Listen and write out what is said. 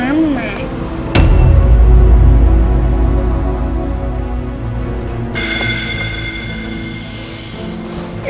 reina cari siapa